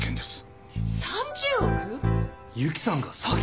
ゆきさんが詐欺？